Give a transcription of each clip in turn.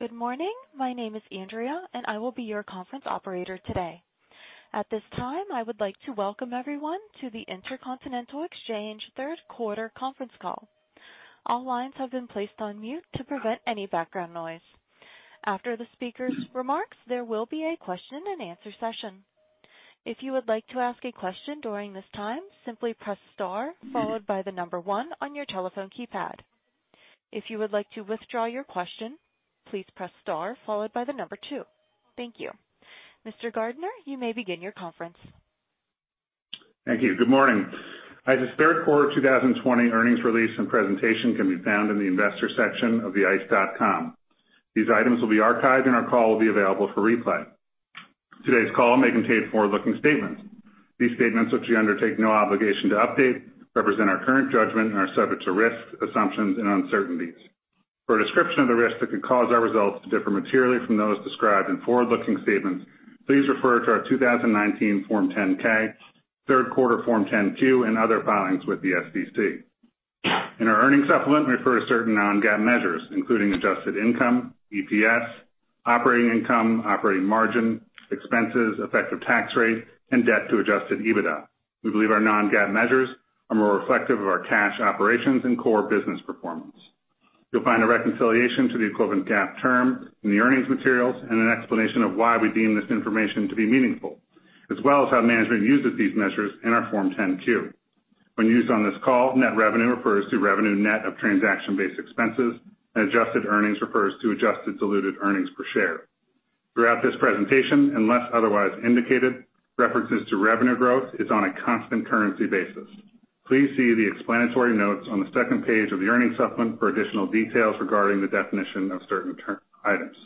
Good morning. My name is Andrea, and I will be your conference operator today. At this time, I would like to welcome everyone to the Intercontinental Exchange third quarter conference call. All lines have been placed on mute to prevent any background noise. After the speakers' remarks, there will be a question and answer session. If you would like to ask a question during this time, simply press star followed by the number one on your telephone keypad. If you would like to withdraw your question, please press star followed by the number two. Thank you. Mr. Gardiner, you may begin your conference. Thank you. Good morning. ICE's third quarter 2020 earnings release and presentation can be found in the Investors section of the ice.com. These items will be archived, and our call will be available for replay. Today's call may contain forward-looking statements. These statements, which we undertake no obligation to update, represent our current judgment and are subject to risks, assumptions, and uncertainties. For a description of the risks that could cause our results to differ materially from those described in forward-looking statements, please refer to our 2019 Form 10-K, third quarter Form 10-Q, and other filings with the SEC. In our earnings supplement, we refer to certain non-GAAP measures, including adjusted income, EPS, operating income, operating margin, expenses, effective tax rate, and debt to adjusted EBITDA. We believe our non-GAAP measures are more reflective of our cash operations and core business performance. You'll find a reconciliation to the equivalent GAAP term in the earnings materials and an explanation of why we deem this information to be meaningful, as well as how management uses these measures in our Form 10-Q. When used on this call, net revenue refers to revenue net of transaction-based expenses, and adjusted earnings refers to adjusted diluted earnings per share. Throughout this presentation, unless otherwise indicated, references to revenue growth is on a constant currency basis. Please see the explanatory notes on the second page of the earnings supplement for additional details regarding the definition of certain term items.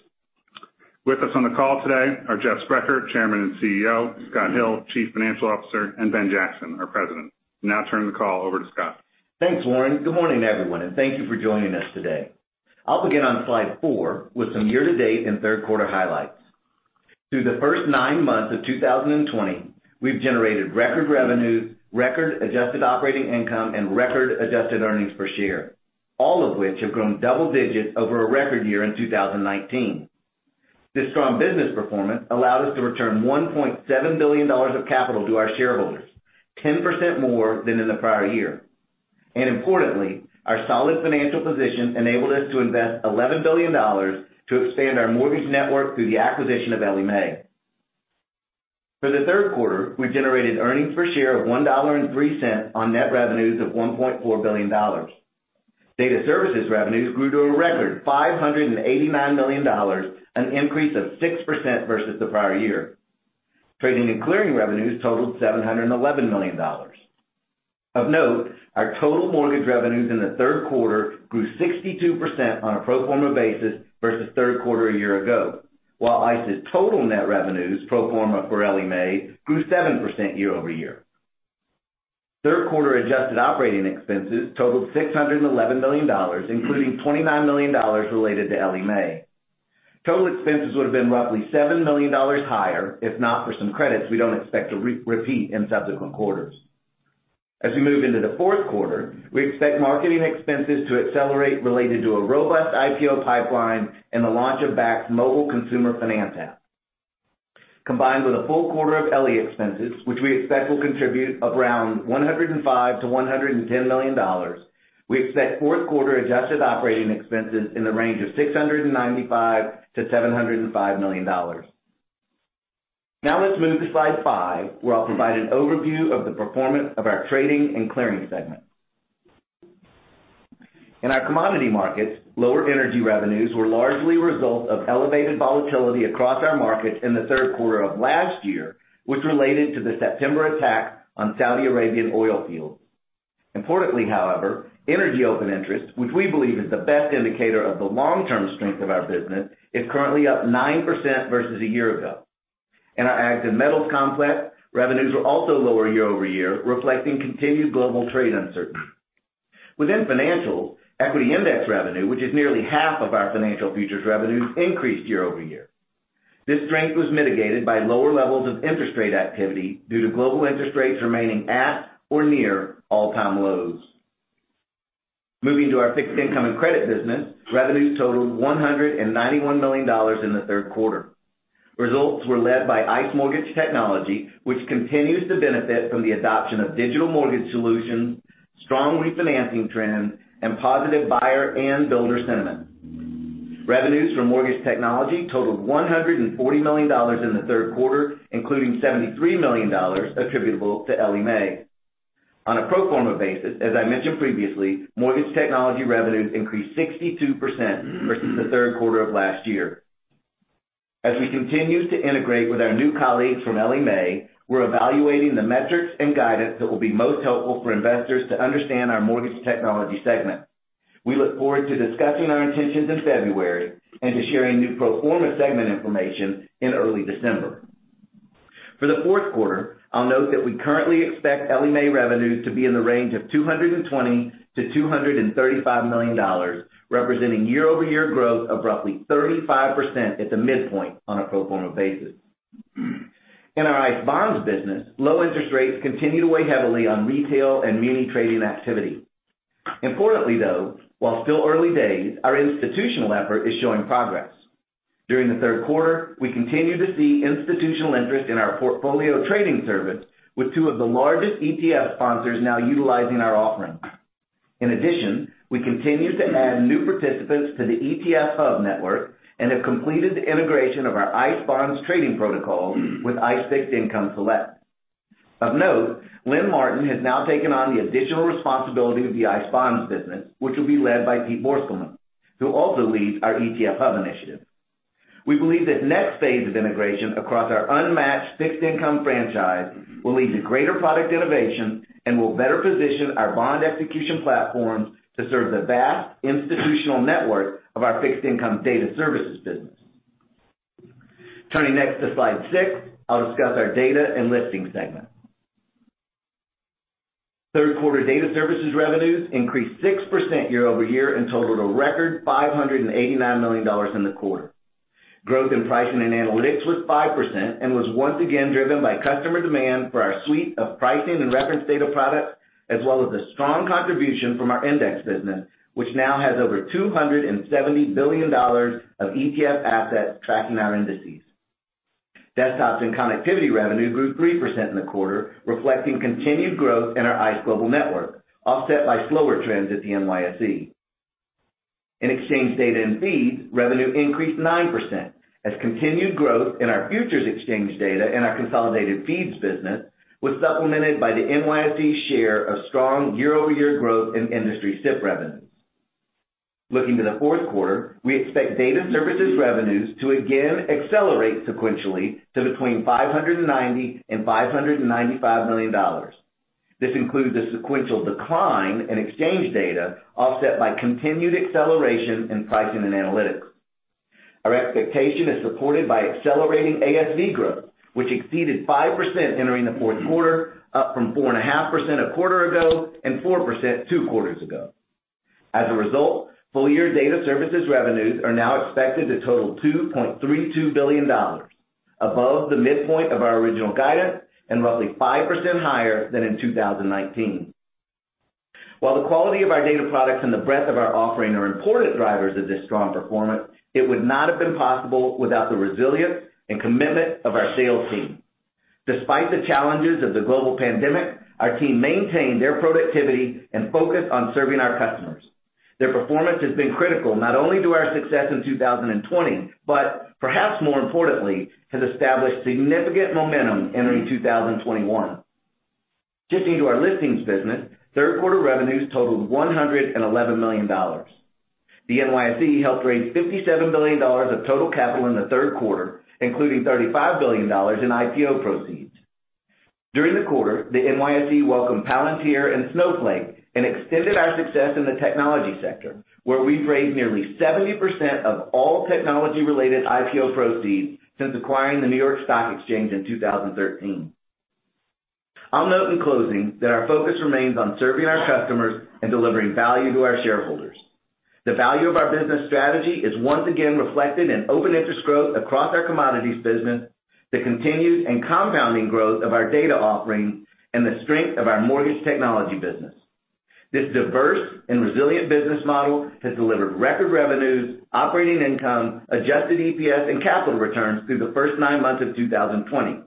With us on the call today are Jeff Sprecher, Chairman and CEO, Scott Hill, Chief Financial Officer, Ben Jackson, our President. I'll now turn the call over to Scott. Thanks, Warren. Good morning, everyone, thank you for joining us today. I'll begin on slide four with some year-to-date and third-quarter highlights. Through the first nine months of 2020, we've generated record revenue, record adjusted operating income, and record adjusted earnings per share, all of which have grown double digits over a record year in 2019. This strong business performance allowed us to return $1.7 billion of capital to our shareholders, 10% more than in the prior year. Importantly, our solid financial position enabled us to invest $11 billion to expand our mortgage network through the acquisition of Ellie Mae. For the third quarter, we generated earnings per share of $1.03 on net revenues of $1.4 billion. Data services revenues grew to a record $589 million, an increase of 6% versus the prior year. Trading and clearing revenues totaled $711 million. Of note, our total mortgage revenues in the third quarter grew 62% on a pro forma basis versus third quarter a year ago, while ICE's total net revenues, pro forma for Ellie Mae, grew 7% year-over-year. Third quarter adjusted operating expenses totaled $611 million, including $29 million related to Ellie Mae. Total expenses would've been roughly $7 million higher if not for some credits we don't expect to repeat in subsequent quarters. As we move into the fourth quarter, we expect marketing expenses to accelerate related to a robust IPO pipeline and the launch of Bakkt's mobile consumer finance app. Combined with a full quarter of Ellie expenses, which we expect will contribute around $105 million-$110 million, we expect fourth quarter adjusted operating expenses in the range of $695 million-$705 million. Now let's move to slide five, where I'll provide an overview of the performance of our trading and clearing segment. In our commodity markets, lower energy revenues were largely a result of elevated volatility across our markets in the third quarter of last year, which related to the September attack on Saudi Arabian oil fields. Importantly, however, energy open interest, which we believe is the best indicator of the long-term strength of our business, is currently up 9% versus a year ago. In our active metals complex, revenues were also lower year-over-year, reflecting continued global trade uncertainty. Within financials, equity index revenue, which is nearly half of our financial futures revenues, increased year-over-year. This strength was mitigated by lower levels of interest rate activity due to global interest rates remaining at or near all-time lows. Moving to our fixed income and credit business, revenues totaled $191 million in the third quarter. Results were led by ICE Mortgage Technology, which continues to benefit from the adoption of digital mortgage solutions, strong refinancing trends, and positive buyer and builder sentiment. Revenues from Mortgage Technology totaled $140 million in the third quarter, including $73 million attributable to Ellie Mae. On a pro forma basis, as I mentioned previously, Mortgage Technology revenues increased 62% versus the third quarter of last year. As we continue to integrate with our new colleagues from Ellie Mae, we're evaluating the metrics and guidance that will be most helpful for investors to understand our Mortgage Technology segment. We look forward to discussing our intentions in February and to sharing new pro forma segment information in early December. For the fourth quarter, I'll note that we currently expect Ellie Mae revenues to be in the range of $220 million to $235 million, representing year-over-year growth of roughly 35% at the midpoint on a pro forma basis. In our ICE Bonds business, low interest rates continue to weigh heavily on retail and muni trading activity. Importantly, though, while still early days, our institutional effort is showing progress. During the third quarter, we continued to see institutional interest in our portfolio trading service, with two of the largest ETF sponsors now utilizing our offering. In addition, we continue to add new participants to the ETFHub network and have completed the integration of our ICE Bonds trading protocol with ICE Fixed Income Select. Of note, Lynn Martin has now taken on the additional responsibility of the ICE Bonds business, which will be led by Pete Borselmann, who also leads our ETFHub initiative. We believe this next phase of integration across our unmatched fixed income franchise will lead to greater product innovation and will better position our bond execution platforms to serve the vast institutional network of our ICE Data Services business. Turning next to slide six, I'll discuss our Data and Listings segment. Third quarter data services revenues increased 6% year-over-year and totaled a record $589 million in the quarter. Growth in pricing and analytics was 5% and was once again driven by customer demand for our suite of pricing and reference data products, as well as the strong contribution from our index business, which now has over $270 billion of ETF assets tracking our indices. Desktops and connectivity revenue grew 3% in the quarter, reflecting continued growth in our ICE global network, offset by slower trends at the NYSE. In exchange data and feeds, revenue increased 9% as continued growth in our futures exchange data and our consolidated feeds business was supplemented by the NYSE share of strong year-over-year growth in industry SIP revenues. Looking to the fourth quarter, we expect data services revenues to again accelerate sequentially to between $590 million and $595 million. This includes a sequential decline in exchange data offset by continued acceleration in pricing and analytics. Our expectation is supported by accelerating ASV growth, which exceeded 5% entering the fourth quarter, up from 4.5% a quarter ago and 4% two quarters ago. As a result, full-year data services revenues are now expected to total $2.32 billion, above the midpoint of our original guidance and roughly 5% higher than in 2019. While the quality of our data products and the breadth of our offering are important drivers of this strong performance, it would not have been possible without the resilience and commitment of our sales team. Despite the challenges of the global pandemic, our team maintained their productivity and focused on serving our customers. Their performance has been critical, not only to our success in 2020, but perhaps more importantly, has established significant momentum entering 2021. Shifting to our listings business, third quarter revenues totaled $111 million. The NYSE helped raise $57 billion of total capital in the third quarter, including $35 billion in IPO proceeds. During the quarter, the NYSE welcomed Palantir and Snowflake and extended our success in the technology sector, where we've raised nearly 70% of all technology-related IPO proceeds since acquiring the New York Stock Exchange in 2013. I'll note in closing that our focus remains on serving our customers and delivering value to our shareholders. The value of our business strategy is once again reflected in open interest growth across our commodities business, the continued and compounding growth of our data offerings, and the strength of our ICE Mortgage Technology business. This diverse and resilient business model has delivered record revenues, operating income, adjusted EPS, and capital returns through the first nine months of 2020.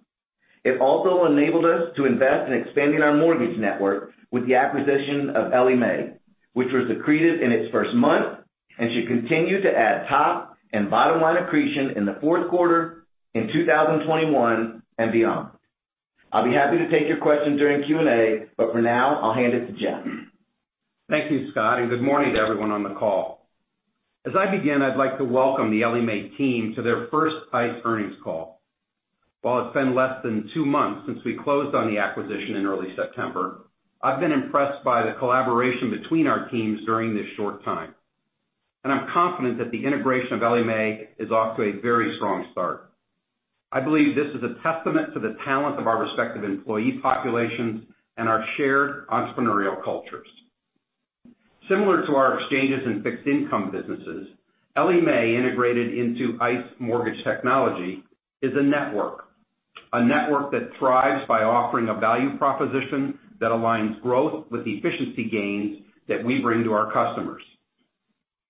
It also enabled us to invest in expanding our mortgage network with the acquisition of Ellie Mae, which was accretive in its first month and should continue to add top and bottom-line accretion in the fourth quarter, in 2021, and beyond. I'll be happy to take your questions during Q&A, but for now, I'll hand it to Jeff. Thank you, Scott. Good morning to everyone on the call. As I begin, I'd like to welcome the Ellie Mae team to their first ICE earnings call. While it's been less than two months since we closed on the acquisition in early September, I've been impressed by the collaboration between our teams during this short time. I'm confident that the integration of Ellie Mae is off to a very strong start. I believe this is a testament to the talent of our respective employee populations and our shared entrepreneurial cultures. Similar to our exchanges in fixed income businesses, Ellie Mae integrated into ICE Mortgage Technology is a network, a network that thrives by offering a value proposition that aligns growth with efficiency gains that we bring to our customers.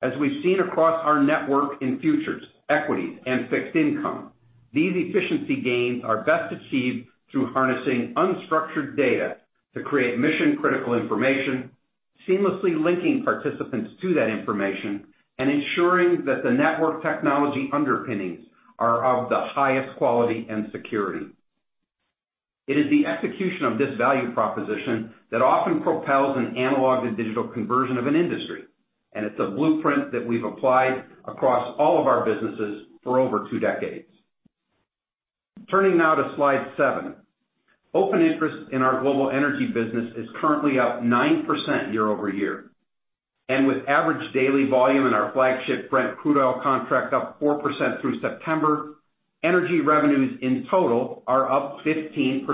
As we've seen across our network in futures, equity, and fixed income, these efficiency gains are best achieved through harnessing unstructured data to create mission-critical information, seamlessly linking participants to that information, and ensuring that the network technology underpinnings are of the highest quality and security. It is the execution of this value proposition that often propels an analog to digital conversion of an industry, and it's a blueprint that we've applied across all of our businesses for over two decades. Turning now to slide seven. Open interest in our global energy business is currently up 9% year-over-year. With average daily volume in our flagship Brent crude oil contract up 4% through September, energy revenues in total are up 15%.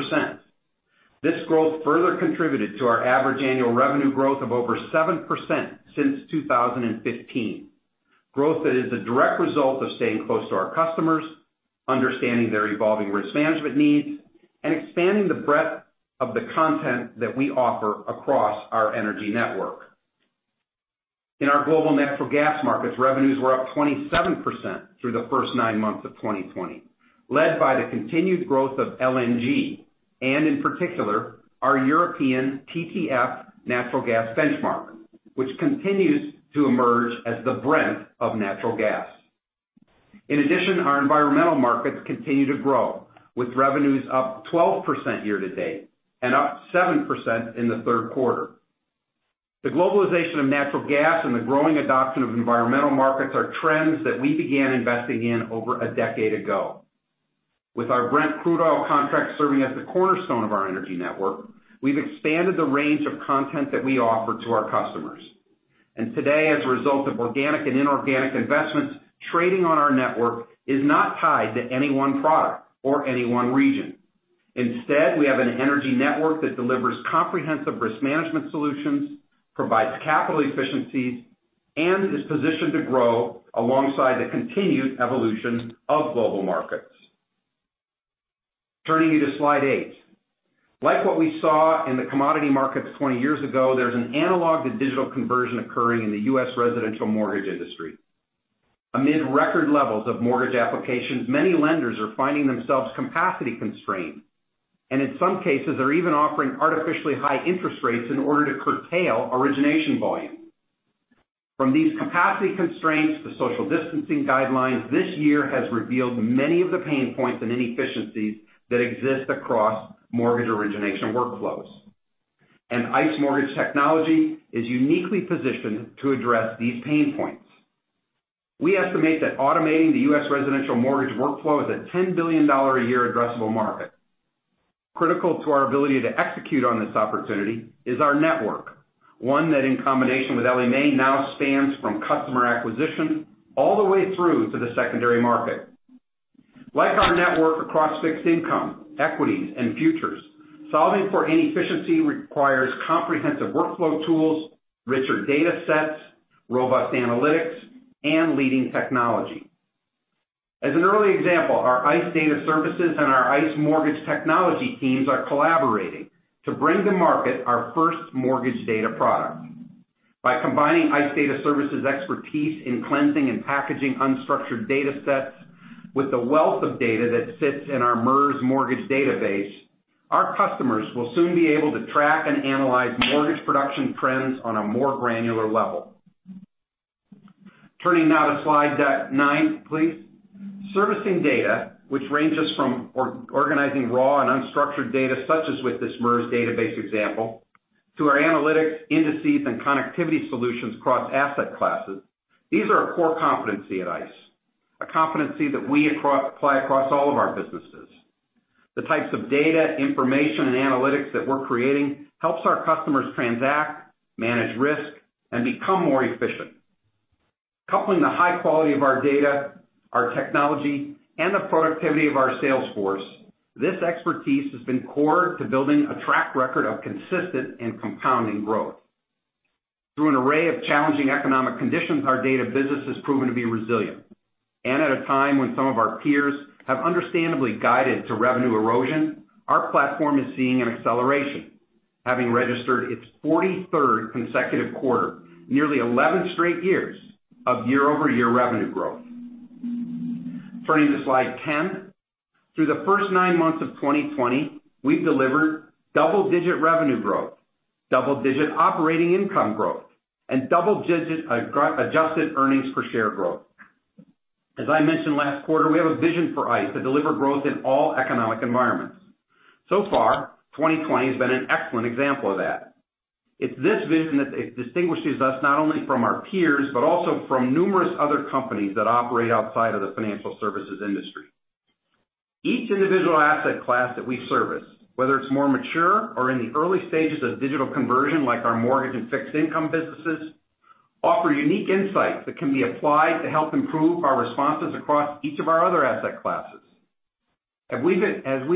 This growth further contributed to our average annual revenue growth of over 7% since 2015. Growth that is a direct result of staying close to our customers, understanding their evolving risk management needs, and expanding the breadth of the content that we offer across our energy network. In our global natural gas markets, revenues were up 27% through the first nine months of 2020, led by the continued growth of LNG, and in particular, our European TTF natural gas benchmark, which continues to emerge as the Brent of natural gas. In addition, our environmental markets continue to grow, with revenues up 12% year-to-date and up 7% in the third quarter. The globalization of natural gas and the growing adoption of environmental markets are trends that we began investing in over a decade ago. With our Brent crude oil contract serving as the cornerstone of our energy network, we've expanded the range of content that we offer to our customers. Today, as a result of organic and inorganic investments, trading on our network is not tied to any one product or any one region. Instead, we have an energy network that delivers comprehensive risk management solutions, provides capital efficiencies, and is positioned to grow alongside the continued evolution of global markets. Turning you to slide eight. Like what we saw in the commodity markets 20 years ago, there's an analog to digital conversion occurring in the U.S. residential mortgage industry. Amid record levels of mortgage applications, many lenders are finding themselves capacity-constrained, and in some cases, are even offering artificially high interest rates in order to curtail origination volume. From these capacity constraints to social distancing guidelines, this year has revealed many of the pain points and inefficiencies that exist across mortgage origination workflows. ICE Mortgage Technology is uniquely positioned to address these pain points. We estimate that automating the U.S. residential mortgage workflow is a $10 billion a year addressable market. Critical to our ability to execute on this opportunity is our network. One that, in combination with Ellie Mae, now spans from customer acquisition all the way through to the secondary market. Like our network across fixed income, equities, and futures, solving for inefficiency requires comprehensive workflow tools, richer data sets, robust analytics, and leading technology. As an early example, our ICE Data Services and our ICE Mortgage Technology teams are collaborating to bring to market our first mortgage data product. By combining ICE Data Services' expertise in cleansing and packaging unstructured data sets with the wealth of data that sits in our MERS mortgage database, our customers will soon be able to track and analyze mortgage production trends on a more granular level. Turning now to slide nine, please. Servicing data, which ranges from organizing raw and unstructured data, such as with this MERS database example, to our analytics, indices, and connectivity solutions across asset classes. These are a core competency at ICE. A competency that we apply across all of our businesses. The types of data, information, and analytics that we're creating helps our customers transact, manage risk, and become more efficient. Coupling the high quality of our data, our technology, and the productivity of our sales force, this expertise has been core to building a track record of consistent and compounding growth. Through an array of challenging economic conditions, our data business has proven to be resilient. At a time when some of our peers have understandably guided to revenue erosion, our platform is seeing an acceleration, having registered its 43rd consecutive quarter, nearly 11 straight years of year-over-year revenue growth. Turning to slide 10. Through the first nine months of 2020, we've delivered double-digit revenue growth, double-digit operating income growth, and double-digit adjusted earnings per share growth. As I mentioned last quarter, we have a vision for ICE to deliver growth in all economic environments. Far, 2020 has been an excellent example of that. It's this vision that distinguishes us not only from our peers, but also from numerous other companies that operate outside of the financial services industry. Each individual asset class that we service, whether it's more mature or in the early stages of digital conversion, like our mortgage and fixed income businesses, offer unique insights that can be applied to help improve our responses across each of our other asset classes. As we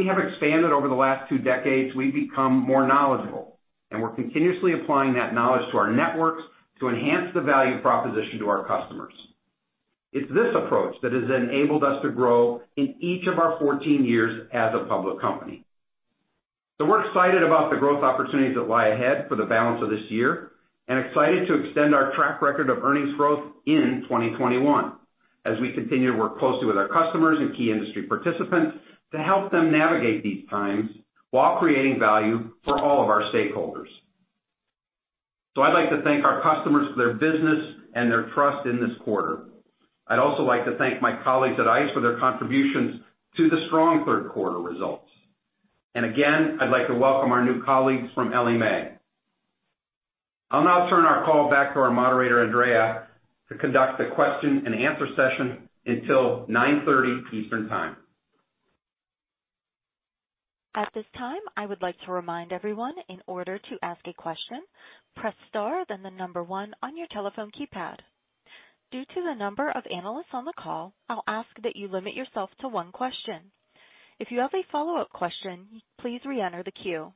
have expanded over the last two decades, we've become more knowledgeable, and we're continuously applying that knowledge to our networks to enhance the value proposition to our customers. It's this approach that has enabled us to grow in each of our 14 years as a public company. We're excited about the growth opportunities that lie ahead for the balance of this year, and excited to extend our track record of earnings growth in 2021 as we continue to work closely with our customers and key industry participants to help them navigate these times while creating value for all of our stakeholders. I'd like to thank our customers for their business and their trust in this quarter. I'd also like to thank my colleagues at ICE for their contributions to the strong third quarter results. Again, I'd like to welcome our new colleagues from Ellie Mae. I'll now turn our call back to our moderator, Andrea, to conduct the question and answer session until 9:30 A.M. Eastern Time. Due to the number of analysts on the call, I'll ask that you limit yourself to one question. If you have a follow-up question, please re-enter the queue.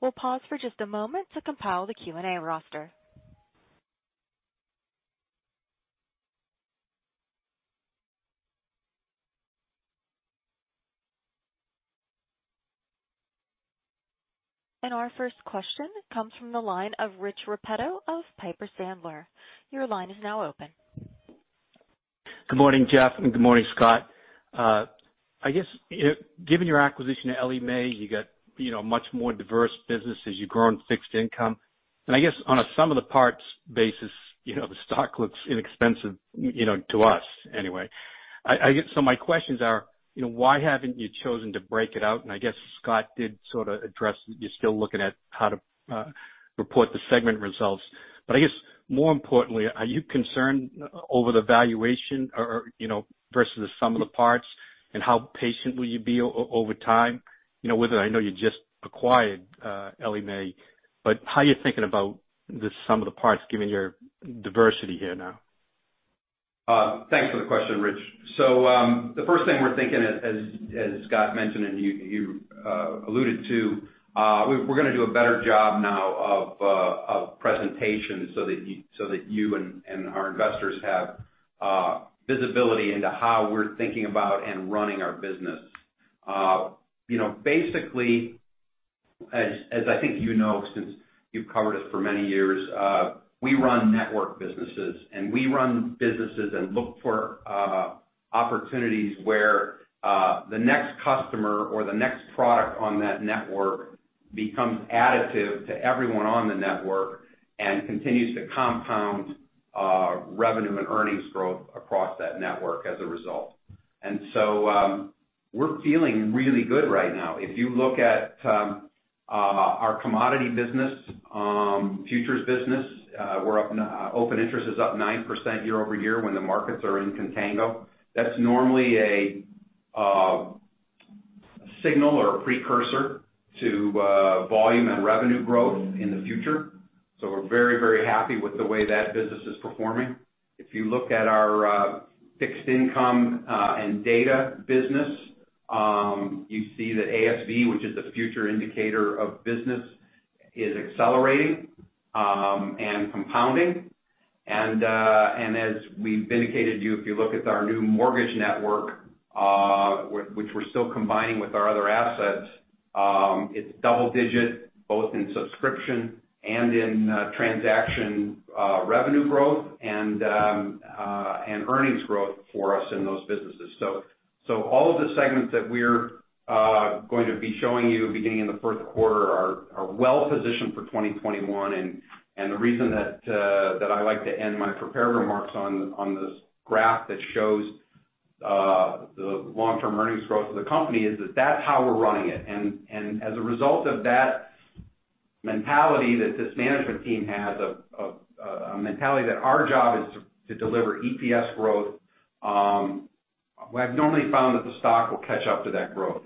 We'll pause for just a moment to compile the Q&A roster. Our first question comes from the line of Rich Repetto of Piper Sandler. Your line is now open. Good morning, Jeff, and good morning, Scott. I guess, given your acquisition of Ellie Mae, you got much more diverse business as you've grown fixed income. I guess on a sum of the parts basis, the stock looks inexpensive, to us anyway. My questions are, why haven't you chosen to break it out? I guess Scott did sort of address that you're still looking at how to report the segment results. I guess more importantly, are you concerned over the valuation versus the sum of the parts? How patient will you be over time? I know you just acquired Ellie Mae. How are you thinking about the sum of the parts given your diversity here now? Thanks for the question, Rich. The first thing we're thinking, as Scott mentioned and you alluded to, we're going to do a better job now of presentation so that you and our investors have visibility into how we're thinking about and running our business. Basically, as I think you know, since you've covered us for many years, we run network businesses, and we run businesses and look for opportunities where the next customer or the next product on that network becomes additive to everyone on the network and continues to compound revenue and earnings growth across that network as a result. We're feeling really good right now. If you look at our commodity business, futures business, open interest is up 9% year-over-year when the markets are in contango. That's normally a signal or a precursor to volume and revenue growth in the future. We're very happy with the way that business is performing. If you look at our fixed income and data business, you see that ASV, which is the future indicator of business, is accelerating and compounding. As we've indicated to you, if you look at our new mortgage network, which we're still combining with our other assets, it's double digit, both in subscription and in transaction revenue growth and earnings growth for us in those businesses. All of the segments that we're going to be showing you beginning in the first quarter are well-positioned for 2021. The reason that I like to end my prepared remarks on this graph that shows the long-term earnings growth of the company is that that's how we're running it. As a result of that mentality that this management team has, a mentality that our job is to deliver EPS growth, we have normally found that the stock will catch up to that growth.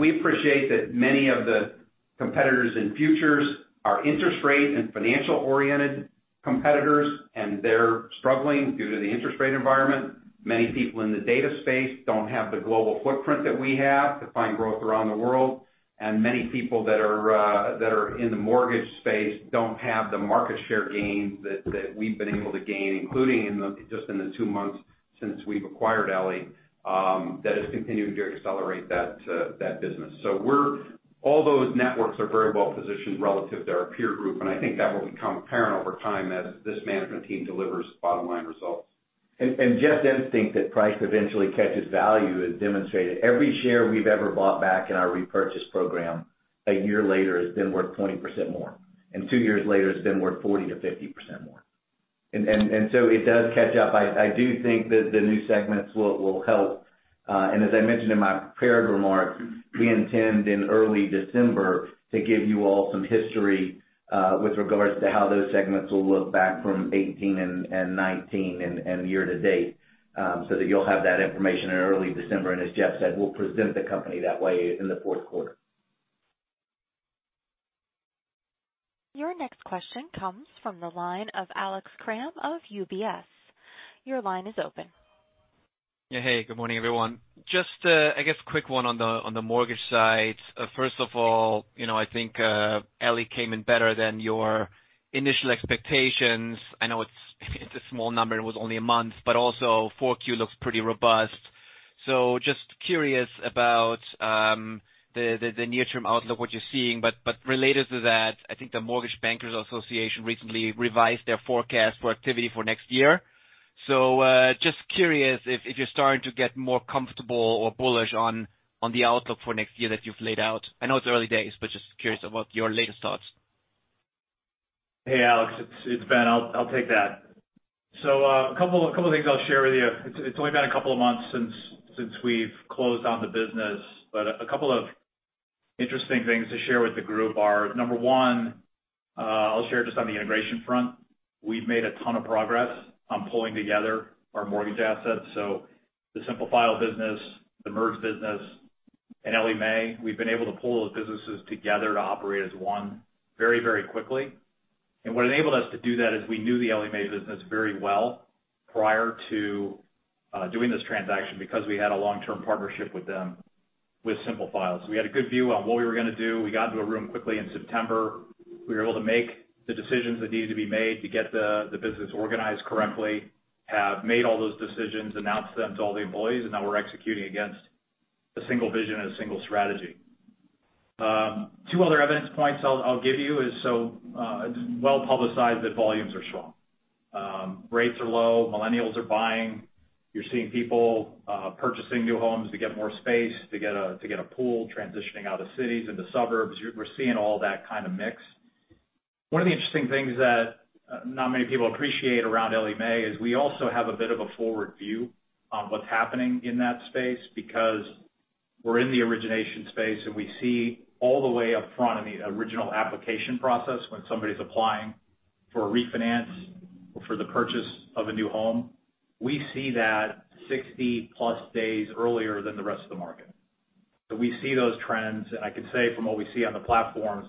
We appreciate that many of the competitors in futures are interest rate and financial-oriented competitors, and they're struggling due to the interest rate environment. Many people in the data space don't have the global footprint that we have to find growth around the world, and many people that are in the mortgage space don't have the market share gains that we've been able to gain, including just in the two months since we've acquired Ellie, that has continued to accelerate that business. All those networks are very well-positioned relative to our peer group, and I think that will become apparent over time as this management team delivers bottom-line results. Jeff's instinct that price eventually catches value is demonstrated. Every share we've ever bought back in our repurchase program, a year later, has been worth 20% more, and two years later, it's been worth 40%-50% more. It does catch up. I do think that the new segments will help. As I mentioned in my prepared remarks, we intend in early December to give you all some history, with regards to how those segments will look back from 2018 and 2019 and year to date, so that you'll have that information in early December. As Jeff said, we'll present the company that way in the fourth quarter. Your next question comes from the line of Alex Kramm of UBS. Your line is open. Yeah. Hey, good morning, everyone. I guess quick one on the mortgage side. I think Ellie came in better than your initial expectations. I know it's a small number and it was only a month, also 4Q looks pretty robust. Just curious about the near-term outlook, what you're seeing. Related to that, I think the Mortgage Bankers Association recently revised their forecast for activity for next year. Just curious if you're starting to get more comfortable or bullish on the outlook for next year that you've laid out. I know it's early days, just curious about your latest thoughts. Hey, Alex, it's Ben. I'll take that. A couple of things I'll share with you. It's only been a couple of months since we've closed on the business, but a couple of interesting things to share with the group are, number one, I'll share just on the integration front. We've made a ton of progress on pulling together our mortgage assets, so the Simplifile business, the MERS business. Ellie Mae, we've been able to pull those businesses together to operate as one very quickly. What enabled us to do that is we knew the Ellie Mae business very well prior to doing this transaction because we had a long-term partnership with them with Simplifile. We had a good view on what we were going to do. We got into a room quickly in September. We were able to make the decisions that needed to be made to get the business organized correctly, have made all those decisions, announced them to all the employees, and now we're executing against a single vision and a single strategy. Two other evidence points I'll give you is, it's well publicized that volumes are strong. Rates are low, millennials are buying. You're seeing people purchasing new homes to get more space, to get a pool, transitioning out of cities into suburbs. We're seeing all that kind of mix. One of the interesting things that not many people appreciate around Ellie Mae is we also have a bit of a forward view on what's happening in that space because we're in the origination space, and we see all the way up front in the original application process when somebody's applying for a refinance or for the purchase of a new home. We see that 60-plus days earlier than the rest of the market. We see those trends, and I can say from what we see on the platforms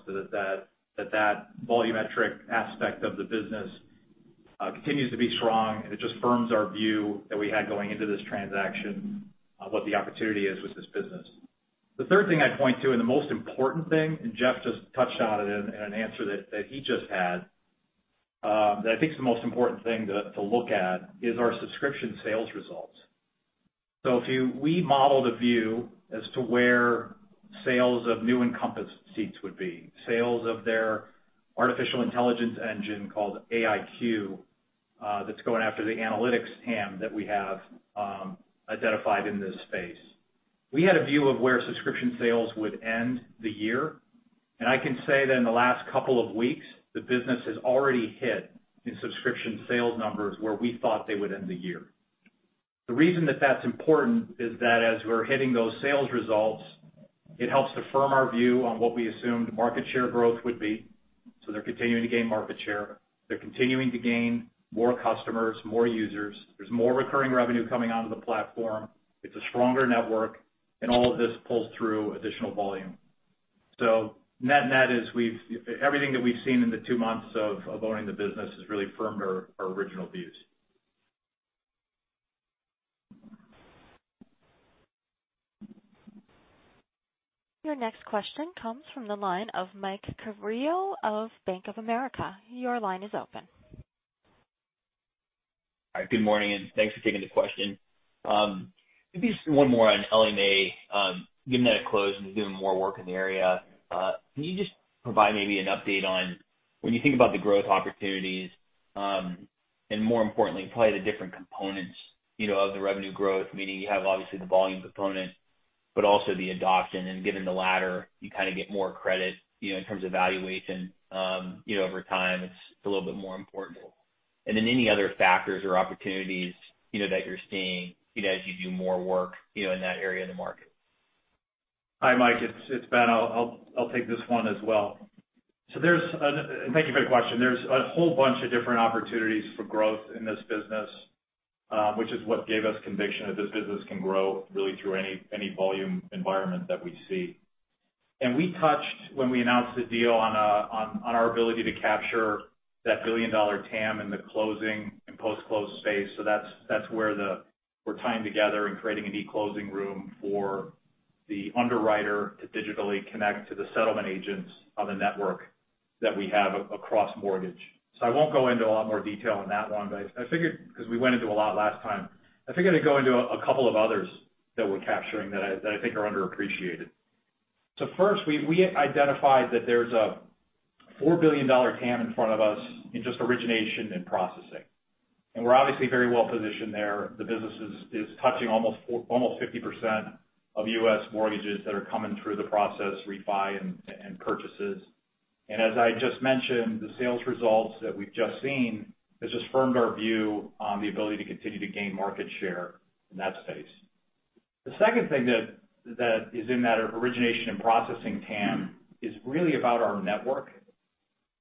that that volumetric aspect of the business continues to be strong, and it just firms our view that we had going into this transaction on what the opportunity is with this business. The third thing I'd point to, and the most important thing, and Jeff just touched on it in an answer that he just had, that I think is the most important thing to look at, is our subscription sales results. If we modeled a view as to where sales of new Encompass seats would be, sales of their artificial intelligence engine called AIQ that's going after the analytics TAM that we have identified in this space. We had a view of where subscription sales would end the year, and I can say that in the last couple of weeks, the business has already hit in subscription sales numbers where we thought they would end the year. The reason that that's important is that as we're hitting those sales results, it helps to firm our view on what we assumed market share growth would be. They're continuing to gain market share. They're continuing to gain more customers, more users. There's more recurring revenue coming onto the platform. It's a stronger network, and all of this pulls through additional volume. Net is everything that we've seen in the two months of owning the business has really firmed our original views. Your next question comes from the line of Mike Carrier of Bank of America. Your line is open. Hi, good morning, and thanks for taking the question. Maybe just one more on Ellie Mae. Given that it closed and doing more work in the area, can you just provide maybe an update on when you think about the growth opportunities, and more importantly, probably the different components of the revenue growth, meaning you have obviously the volume component, but also the adoption. Given the latter, you kind of get more credit in terms of valuation over time. It's a little bit more important. Any other factors or opportunities that you're seeing as you do more work in that area of the market? Hi, Mike. It's Ben. I'll take this one as well. Thank you for the question. There's a whole bunch of different opportunities for growth in this business, which is what gave us conviction that this business can grow really through any volume environment that we see. We touched, when we announced the deal, on our ability to capture that billion-dollar TAM in the closing and post-close space. That's where we're tying together and creating an e-closing room for the underwriter to digitally connect to the settlement agents on the network that we have across mortgage. I won't go into a lot more detail on that one, but I figured because we went into a lot last time. I figured I'd go into a couple of others that we're capturing that I think are underappreciated. First, we identified that there's a $4 billion TAM in front of us in just origination and processing. We're obviously very well-positioned there. The business is touching almost 50% of U.S. mortgages that are coming through the process, refi, and purchases. As I just mentioned, the sales results that we've just seen has just firmed our view on the ability to continue to gain market share in that space. The second thing that is in that origination and processing TAM is really about our network.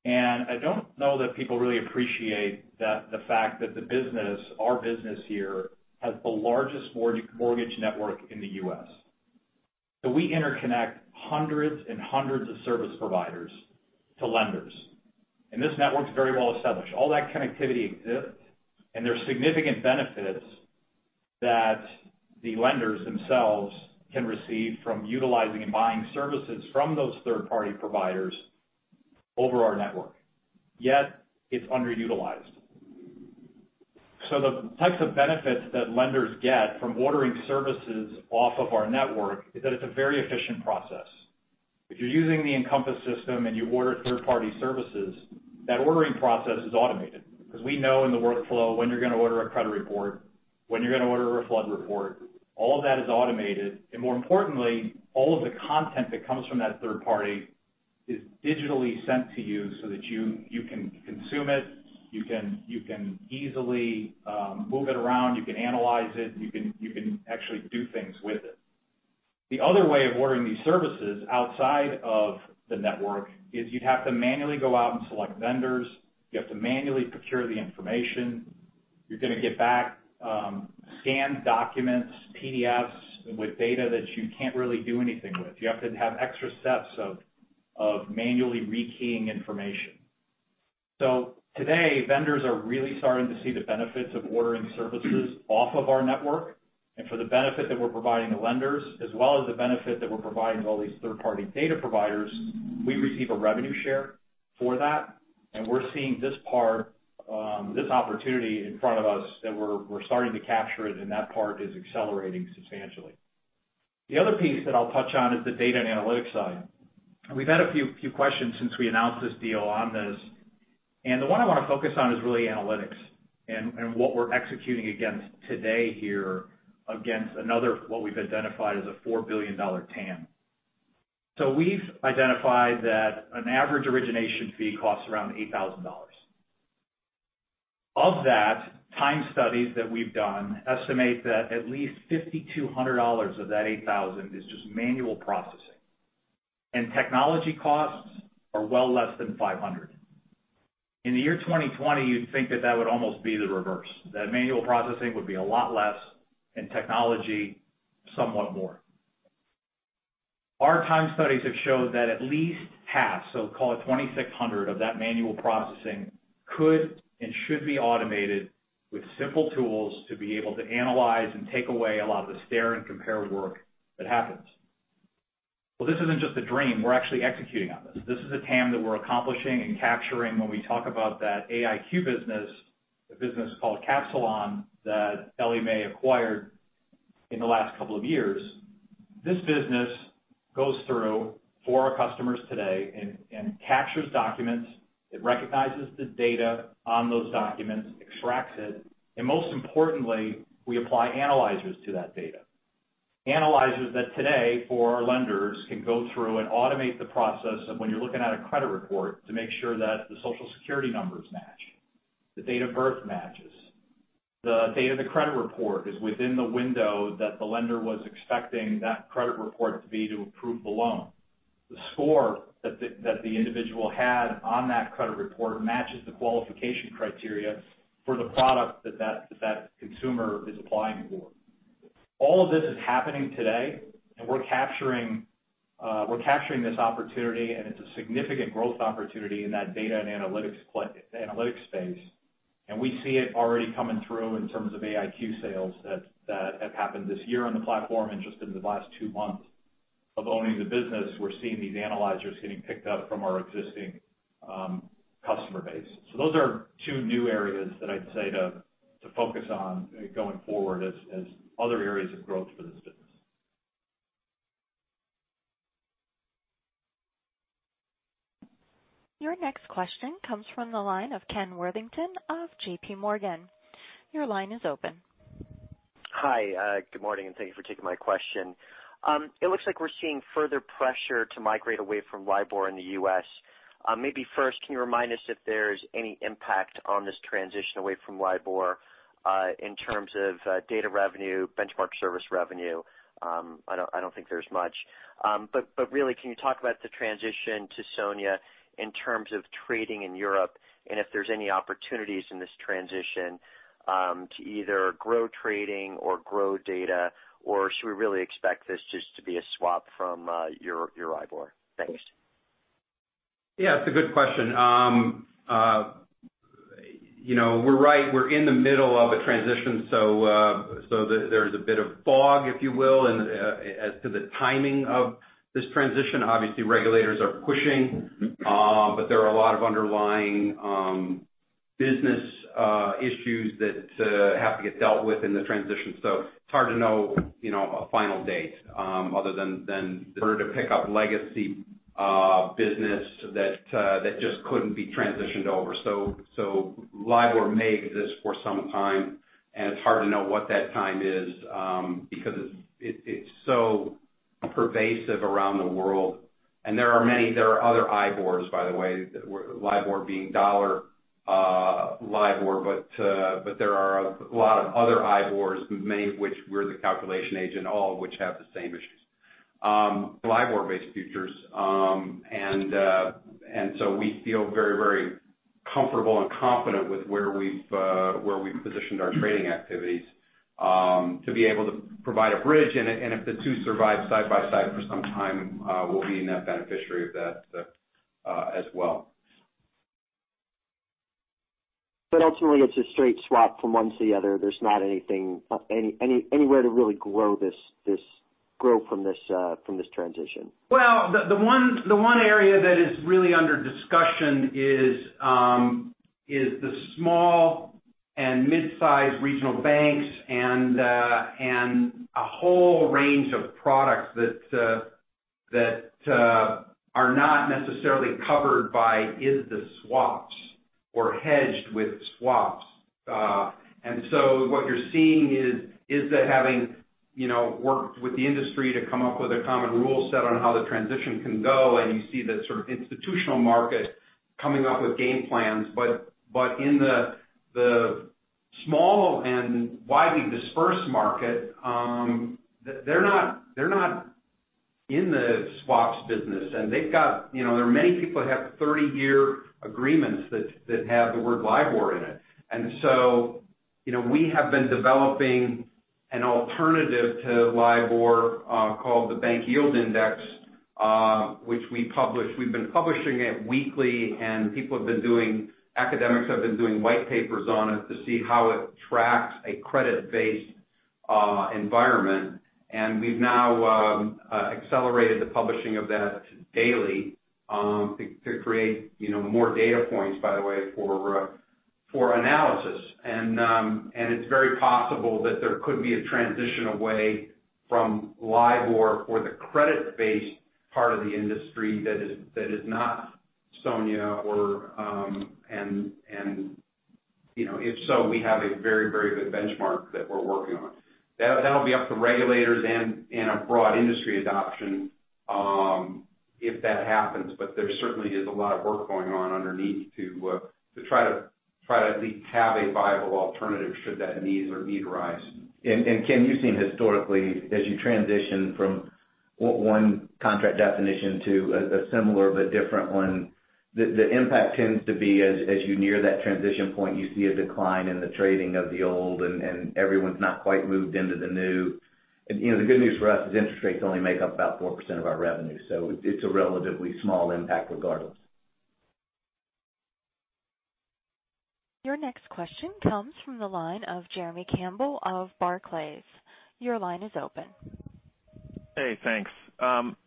I don't know that people really appreciate the fact that the business, our business here, has the largest mortgage network in the U.S. We interconnect hundreds and hundreds of service providers to lenders. This network's very well established. All that connectivity exists, and there's significant benefits that the lenders themselves can receive from utilizing and buying services from those third-party providers over our network. It's underutilized. The types of benefits that lenders get from ordering services off of our network is that it's a very efficient process. If you're using the Encompass system and you order third-party services, that ordering process is automated because we know in the workflow when you're going to order a credit report, when you're going to order a flood report. All of that is automated. More importantly, all of the content that comes from that third party is digitally sent to you so that you can consume it, you can easily move it around, you can analyze it, you can actually do things with it. The other way of ordering these services outside of the network is you'd have to manually go out and select vendors. You have to manually procure the information. You're going to get back scanned documents, PDFs with data that you can't really do anything with. You have to have extra steps of manually re-keying information. Today, vendors are really starting to see the benefits of ordering services off of our network. For the benefit that we're providing the lenders, as well as the benefit that we're providing to all these third-party data providers, we receive a revenue share for that. We're seeing this part, this opportunity in front of us, that we're starting to capture it, and that part is accelerating substantially. The other piece that I'll touch on is the data and analytics side. We've had a few questions since we announced this deal on this, and the one I want to focus on is really analytics and what we're executing against today here against another, what we've identified as a $4 billion TAM. We've identified that an average origination fee costs around $8,000. Of that, time studies that we've done estimate that at least $5,200 of that $8,000 is just manual processing. Technology costs are well less than $500. In the year 2020, you'd think that that would almost be the reverse, that manual processing would be a lot less, and technology, somewhat more. Our time studies have showed that at least half, so call it $2,600 of that manual processing could and should be automated with simple tools to be able to analyze and take away a lot of the stare and compare work that happens. Well, this isn't just a dream. We're actually executing on this. This is a TAM that we're accomplishing and capturing when we talk about that AIQ business, a business called Capsilon that Ellie Mae acquired in the last couple of years. This business goes through for our customers today and captures documents. It recognizes the data on those documents, extracts it, and most importantly, we apply analyzers to that data. Analyzers that today, for our lenders, can go through and automate the process of when you're looking at a credit report to make sure that the Social Security numbers match, the date of birth matches, the date of the credit report is within the window that the lender was expecting that credit report to be to approve the loan. The score that the individual had on that credit report matches the qualification criteria for the product that consumer is applying for. All of this is happening today, and we're capturing this opportunity, and it's a significant growth opportunity in that data and analytics space. We see it already coming through in terms of AIQ sales that have happened this year on the platform and just in the last two months of owning the business, we're seeing these analyzers getting picked up from our existing customer base. Those are two new areas that I'd say to focus on going forward as other areas of growth for this business. Your next question comes from the line of Ken Worthington of JPMorgan. Your line is open. Hi, good morning. Thank you for taking my question. It looks like we're seeing further pressure to migrate away from LIBOR in the U.S. Maybe first, can you remind us if there's any impact on this transition away from LIBOR in terms of data revenue, benchmark service revenue? I don't think there's much. Really, can you talk about the transition to SONIA in terms of trading in Europe? If there's any opportunities in this transition to either grow trading or grow data, or should we really expect this just to be a swap from your LIBOR? Thanks. Yeah, it's a good question. We're right, we're in the middle of a transition, there's a bit of fog, if you will, as to the timing of this transition. Obviously, regulators are pushing. There are a lot of underlying business issues that have to get dealt with in the transition. It's hard to know a final date other than for it to pick up legacy business that just couldn't be transitioned over. LIBOR may exist for some time, and it's hard to know what that time is because it's so pervasive around the world. There are other IBORs, by the way, LIBOR being dollar LIBOR. There are a lot of other IBORs, many of which we're the calculation agent, all of which have the same issues. LIBOR-based futures. We feel very comfortable and confident with where we've positioned our trading activities to be able to provide a bridge. If the two survive side by side for some time, we'll be a net beneficiary of that as well. Ultimately, it's a straight swap from one to the other. There's not anywhere to really grow from this transition? Well, the one area that is really under discussion is the small and mid-size regional banks and a whole range of products that are not necessarily covered by ISDA swaps or hedged with swaps. What you're seeing is that having worked with the industry to come up with a common rule set on how the transition can go, and you see the sort of institutional market coming up with game plans. In the small and widely dispersed market, they're not in the swaps business. There are many people that have 30-year agreements that have the word LIBOR in it. We have been developing an alternative to LIBOR called the Bank Yield Index, which we've been publishing it weekly, and academics have been doing white papers on it to see how it tracks a credit-based environment. We've now accelerated the publishing of that daily to create more data points, by the way, for analysis. It's very possible that there could be a transition away from LIBOR for the credit-based part of the industry that is not SONIA. If so, we have a very good benchmark that we're working on. That'll be up to regulators and a broad industry adoption if that happens, but there certainly is a lot of work going on underneath to try to at least have a viable alternative should that need arise. Ken, you've seen historically, as you transition from one contract definition to a similar but different one, the impact tends to be as you near that transition point, you see a decline in the trading of the old, and everyone's not quite moved into the new. The good news for us is interest rates only make up about 4% of our revenue, so it's a relatively small impact regardless. Your next question comes from the line of Jeremy Campbell of Barclays. Your line is open. Hey, thanks.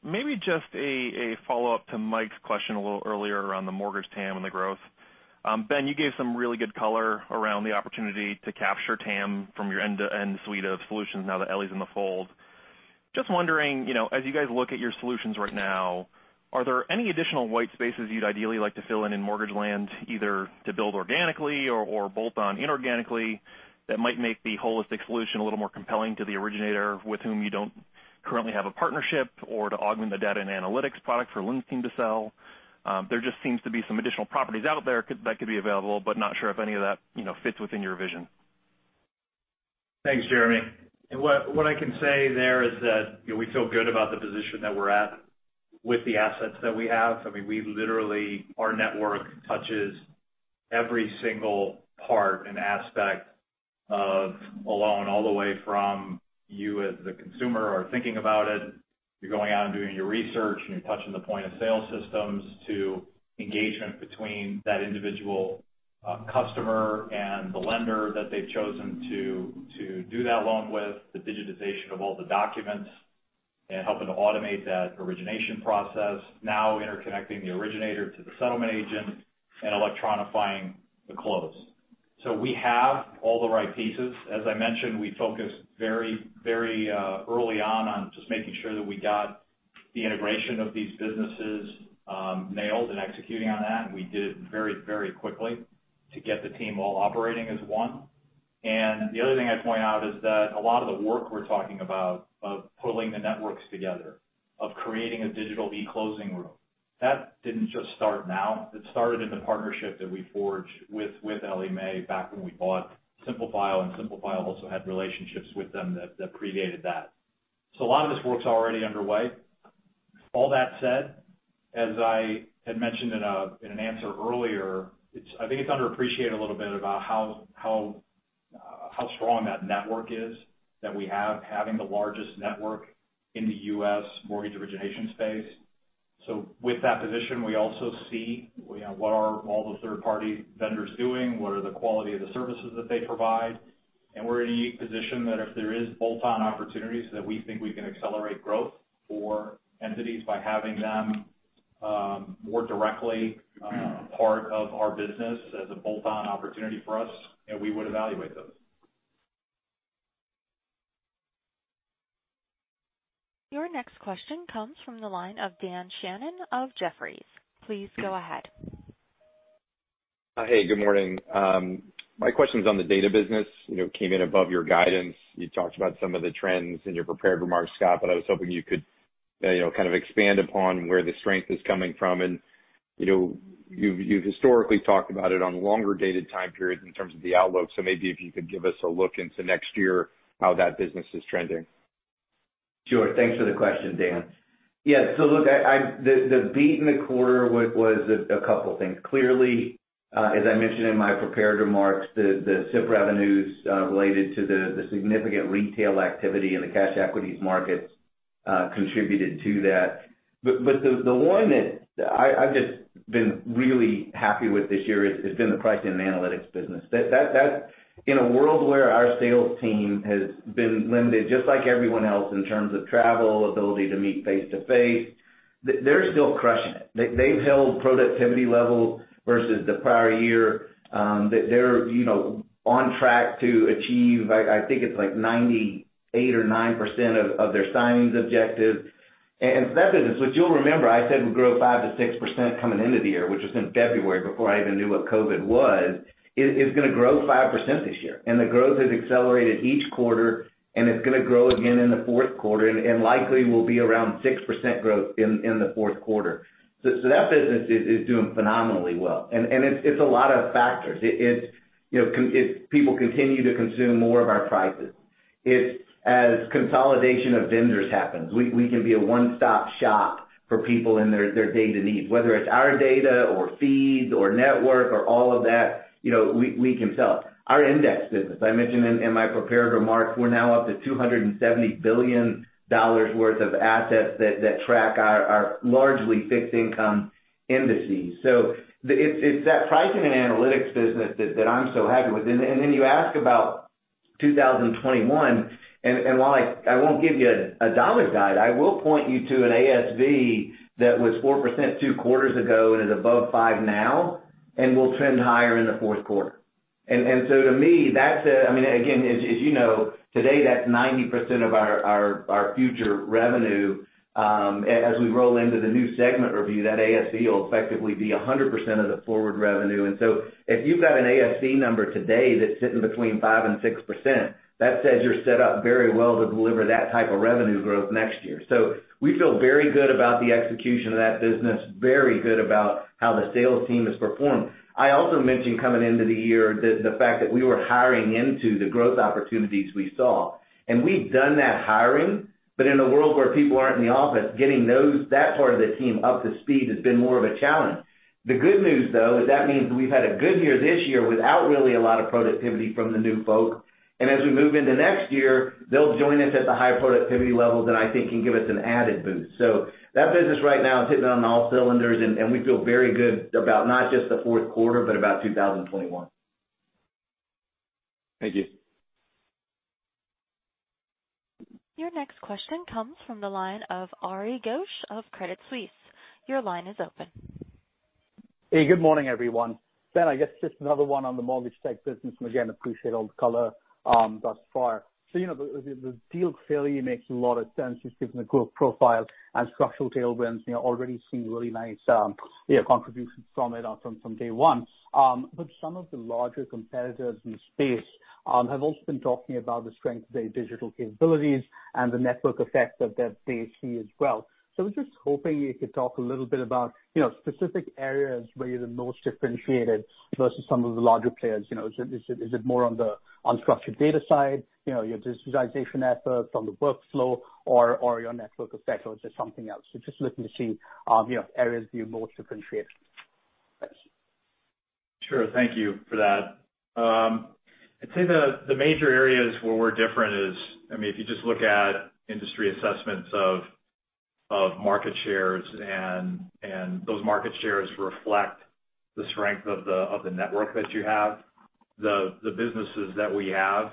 Maybe just a follow-up to Mike's question a little earlier around the mortgage TAM and the growth. Ben, you gave some really good color around the opportunity to capture TAM from your end-to-end suite of solutions now that Ellie's in the fold. Just wondering, as you guys look at your solutions right now, are there any additional white spaces you'd ideally like to fill in in mortgage land, either to build organically or bolt-on inorganically that might make the holistic solution a little more compelling to the originator with whom you don't currently have a partnership or to augment the data and analytics product for Lindsay to sell? There just seems to be some additional properties out there that could be available, but not sure if any of that fits within your vision. Thanks, Jeremy. What I can say there is that we feel good about the position that we're at with the assets that we have. Our network touches every single part and aspect of a loan, all the way from you as the consumer are thinking about it, you're going out and doing your research, and you're touching the point-of-sale systems to engagement between that individual customer and the lender that they've chosen to do that loan with, the digitization of all the documents, and helping to automate that origination process. Interconnecting the originator to the settlement agent and electronifying the close. We have all the right pieces. As I mentioned, we focused very early on just making sure that we got the integration of these businesses nailed and executing on that, and we did it very quickly to get the team all operating as one. The other thing I'd point out is that a lot of the work we're talking about of pulling the networks together, of creating a digital e-closing room, that didn't just start now. It started in the partnership that we forged with Ellie Mae back when we bought Simplifile, and Simplifile also had relationships with them that predated that. A lot of this work's already underway. All that said, as I had mentioned in an answer earlier, I think it's underappreciated a little bit about how strong that network is that we have, having the largest network in the U.S. mortgage origination space. With that position, we also see what are all the third-party vendors doing, what are the quality of the services that they provide. We're in a unique position that if there is bolt-on opportunities that we think we can accelerate growth for entities by having them more directly a part of our business as a bolt-on opportunity for us, we would evaluate those. Your next question comes from the line of Dan Fannon of Jefferies. Please go ahead. Hey, good morning. My question's on the data business. It came in above your guidance. You talked about some of the trends in your prepared remarks, Scott. I was hoping you could kind of expand upon where the strength is coming from. You've historically talked about it on longer-dated time periods in terms of the outlook. Maybe if you could give us a look into next year how that business is trending. Thanks for the question, Dan. Look, the beat in the quarter was a couple things. Clearly, as I mentioned in my prepared remarks, the SIP revenues related to the significant retail activity in the cash equities markets contributed to that. The one that I've just been really happy with this year has been the pricing and analytics business. In a world where our sales team has been limited just like everyone else in terms of travel, ability to meet face-to-face, they're still crushing it. They've held productivity levels versus the prior year. They're on track to achieve, I think it's like 98% or 99% of their signings objective. That business, which you'll remember I said would grow 5%-6% coming into the year, which was in February before I even knew what COVID was, is going to grow 5% this year. The growth has accelerated each quarter, and it's going to grow again in the fourth quarter and likely will be around 6% growth in the fourth quarter. That business is doing phenomenally well, and it's a lot of factors. People continue to consume more of our prices. If, as consolidation of vendors happens, we can be a one-stop shop for people in their data needs, whether it's our data or feeds or network or all of that, we can sell. Our index business, I mentioned in my prepared remarks, we're now up to $270 billion worth of assets that track our largely fixed income indices. It's that pricing and analytics business that I'm so happy with. You ask about 2021, while I won't give you a dollar guide, I will point you to an ASV that was 4% two quarters ago and is above five now and will trend higher in the fourth quarter. To me, that's again, as you know, today that's 90% of our future revenue. As we roll into the new segment review, that ASV will effectively be 100% of the forward revenue. If you've got an ASV number today that's sitting between 5% and 6%, that says you're set up very well to deliver that type of revenue growth next year. We feel very good about the execution of that business, very good about how the sales team has performed. I also mentioned coming into the year, the fact that we were hiring into the growth opportunities we saw, and we've done that hiring. In a world where people aren't in the office, getting that part of the team up to speed has been more of a challenge. The good news, though, is that means we've had a good year this year without really a lot of productivity from the new folks. As we move into next year, they'll join us at the high productivity levels that I think can give us an added boost. That business right now is hitting on all cylinders, and we feel very good about not just the fourth quarter, but about 2021. Thank you. Your next question comes from the line of Ari Ghosh of Credit Suisse. Your line is open. Good morning, everyone. Ben, I guess just another one on the mortgage tech business, again, appreciate all the color thus far. The deal clearly makes a lot of sense just given the growth profile and structural tailwinds. Already seen really nice contributions from it from day one. Some of the larger competitors in the space have also been talking about the strength of their digital capabilities and the network effect of their DHB as well. I was just hoping you could talk a little bit about specific areas where you're the most differentiated versus some of the larger players. Is it more on the unstructured data side, your digitization efforts on the workflow or your network effect, or is there something else? Just looking to see areas that you're most differentiated. Thanks. Sure. Thank you for that. I'd say the major areas where we're different is, if you just look at industry assessments of market shares. Those market shares reflect the strength of the network that you have. The businesses that we have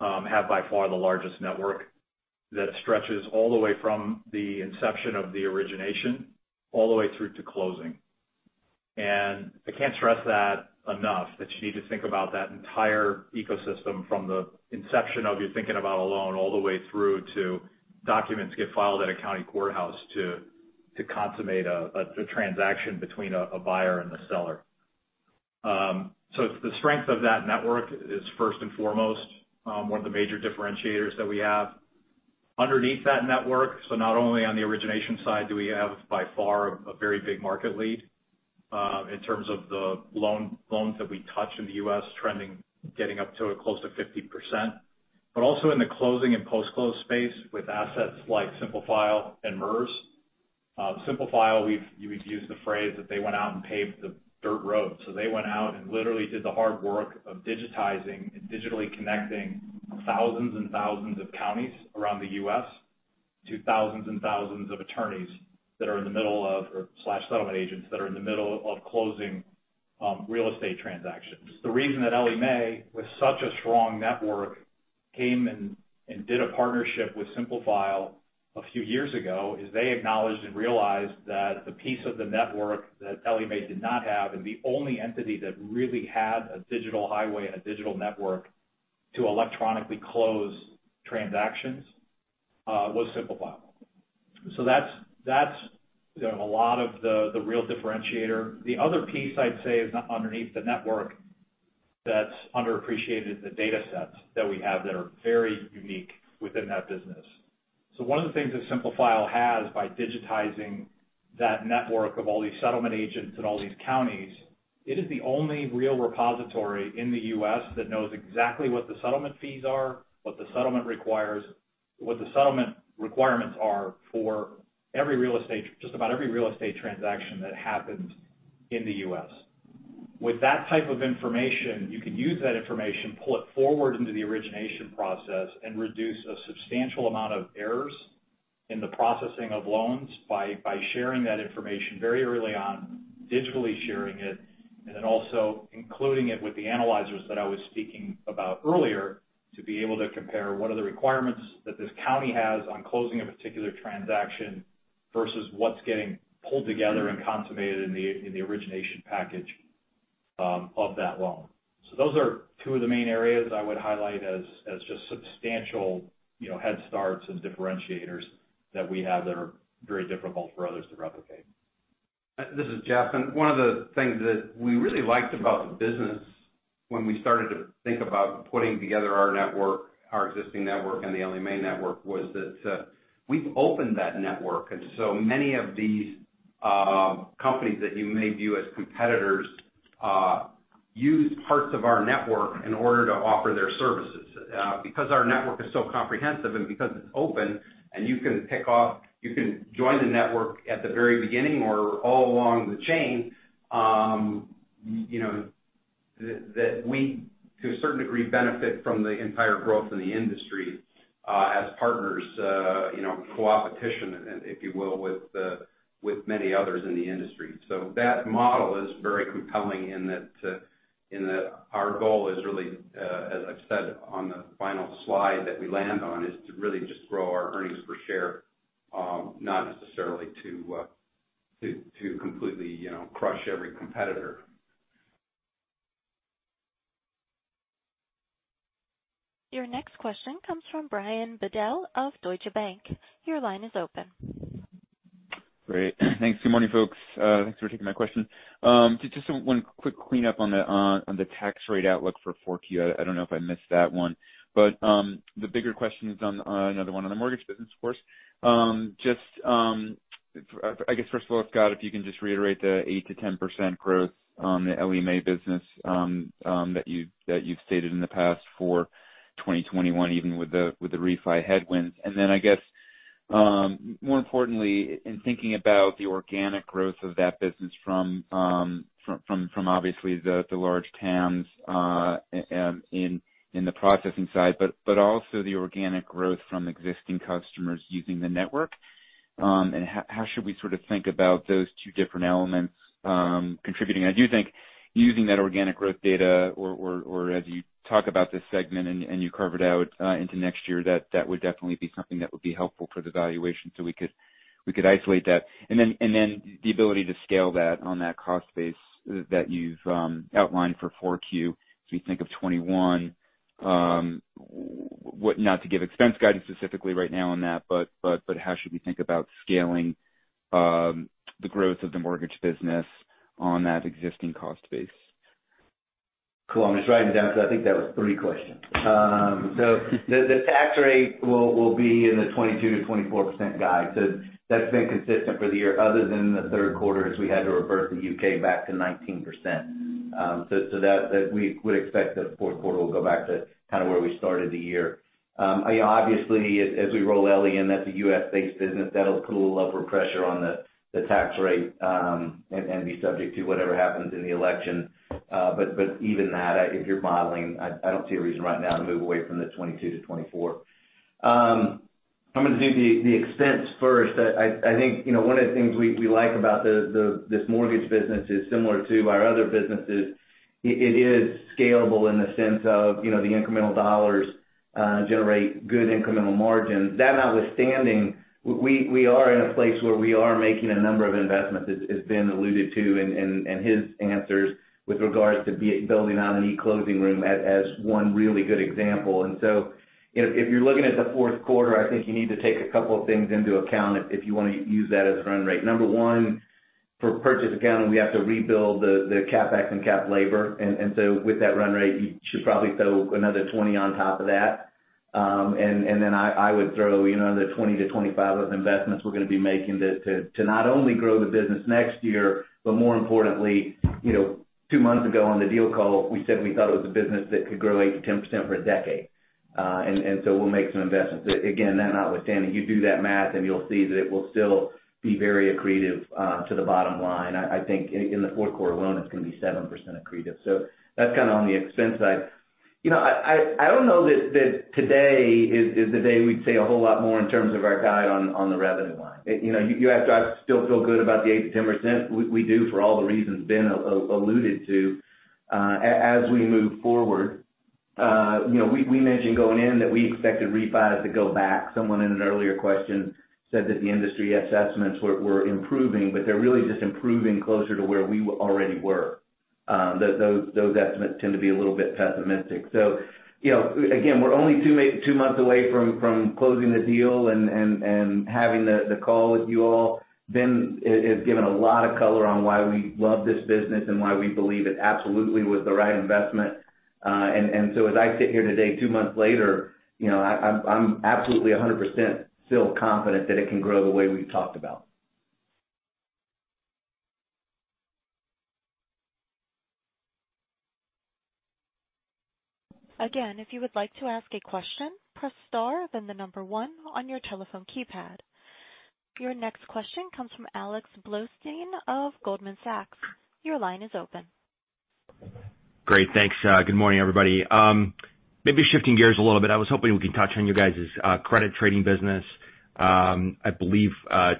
by far the largest network that stretches all the way from the inception of the origination all the way through to closing. I can't stress that enough that you need to think about that entire ecosystem from the inception of you thinking about a loan all the way through to documents get filed at a county courthouse to consummate a transaction between a buyer and the seller. The strength of that network is first and foremost one of the major differentiators that we have. Underneath that network, Not only on the origination side, do we have by far a very big market lead, in terms of the loans that we touch in the U.S. trending, getting up to close to 50%, but also in the closing and post-close space with assets like Simplifile and MERS. Simplifile, we've used the phrase that they went out and paved the dirt road. They went out and literally did the hard work of digitizing and digitally connecting thousands and thousands of counties around the U.S. to thousands and thousands of attorneys that are in the middle of/settlement agents that are in the middle of closing real estate transactions. The reason that Ellie Mae, with such a strong network, came and did a partnership with Simplifile a few years ago, is they acknowledged and realized that the piece of the network that Ellie Mae did not have, and the only entity that really had a digital highway and a digital network to electronically close transactions, was Simplifile. That's a lot of the real differentiator. The other piece I'd say is underneath the network that's underappreciated, the datasets that we have that are very unique within that business. One of the things that Simplifile has by digitizing that network of all these settlement agents in all these counties, it is the only real repository in the U.S. that knows exactly what the settlement fees are, what the settlement requirements are for just about every real estate transaction that happens in the U.S. With that type of information, you can use that information, pull it forward into the origination process, and reduce a substantial amount of errors in the processing of loans by sharing that information very early on, digitally sharing it, and then also including it with the analyzers that I was speaking about earlier, to be able to compare what are the requirements that this county has on closing a particular transaction versus what's getting pulled together and consummated in the origination package of that loan. Those are two of the main areas I would highlight as just substantial head starts and differentiators that we have that are very difficult for others to replicate. This is Jeff. One of the things that we really liked about the business when we started to think about putting together our network. The Ellie Mae network was that we've opened that network. Many of these companies that you may view as competitors use parts of our network in order to offer their services. Because our network is so comprehensive and because it's open, and you can join the network at the very beginning or all along the chain, that we, to a certain degree, benefit from the entire growth in the industry as partners, co-opetition, if you will, with many others in the industry. That model is very compelling in that our goal is really, as I've said on the final slide that we land on, is to really just grow our earnings per share, not necessarily to completely crush every competitor. Your next question comes from Brian Bedell of Deutsche Bank. Your line is open. Great. Thanks. Good morning, folks. Thanks for taking my question. Just one quick cleanup on the tax rate outlook for 4Q. I don't know if I missed that one. The bigger question is another one on the mortgage business, of course. I guess, first of all, Scott, if you can just reiterate the 8%-10% growth on the Ellie Mae business that you've stated in the past for 2021, even with the refi headwinds. I guess, more importantly, in thinking about the organic growth of that business from obviously the large TAMs in the processing side, but also the organic growth from existing customers using the network. How should we sort of think about those two different elements contributing? I do think using that organic growth data or as you talk about this segment and you carve it out into next year, that would definitely be something that would be helpful for the valuation, so we could isolate that. Then the ability to scale that on that cost base that you've outlined for 4Q as we think of 2021. Not to give expense guidance specifically right now on that, but how should we think about scaling the growth of the mortgage business on that existing cost base? Cool. I'm just writing it down because I think that was three questions. The tax rate will be in the 22%-24% guide. That's been consistent for the year, other than the third quarter, as we had to revert the U.K. back to 19%. We would expect that fourth quarter will go back to kind of where we started the year. As we roll Ellie in, that's a U.S.-based business. That'll put a little upward pressure on the tax rate and be subject to whatever happens in the election. Even that, if you're modeling, I don't see a reason right now to move away from the 22 to 24. I'm going to do the expense first. I think one of the things we like about this mortgage business is similar to our other businesses. It is scalable in the sense of the incremental dollars generate good incremental margins. That notwithstanding, we are in a place where we are making a number of investments, as Ben alluded to in his answers with regards to building out an e-closing room as one really good example. If you're looking at the fourth quarter, I think you need to take a couple of things into account if you want to use that as a run rate. Number 1, for purchase accounting, we have to rebuild the CapEx and cap labor. With that run rate, you should probably throw another $20 on top of that. I would throw another 20 to 25 of investments we're going to be making to not only grow the business next year, but more importantly, two months ago on the deal call, we said we thought it was a business that could grow 8%-10% for a decade. We'll make some investments. Again, that notwithstanding, you do that math and you'll see that it will still be very accretive to the bottom line. I think in the fourth quarter alone, it's going to be 7% accretive. That's kind of on the expense side. I don't know that today is the day we'd say a whole lot more in terms of our guide on the revenue line. You asked, do I still feel good about the 8%-10%? We do, for all the reasons Ben alluded to. We mentioned going in that we expected refi to go back. Someone in an earlier question said that the industry assessments were improving, but they're really just improving closer to where we already were. Those estimates tend to be a little bit pessimistic. Again, we're only two months away from closing the deal and having the call with you all. Ben has given a lot of color on why we love this business and why we believe it absolutely was the right investment. As I sit here today, two months later, I'm absolutely 100% still confident that it can grow the way we've talked about. Again, if you would like to ask a question, press star, then the number one on your telephone keypad. Your next question comes from Alex Blostein of Goldman Sachs. Your line is open. Great. Thanks. Good morning, everybody. Shifting gears a little bit, I was hoping we could touch on you guys' credit trading business. I believe